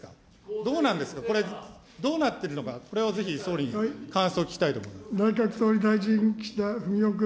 どうなんですか、これどうなってるのか、これをぜひ総理に感想を聞きたいと思います。